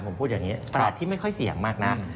ผมพูดอย่างนี้ตลาดที่ไม่ค่อยเสี่ยงมากนัก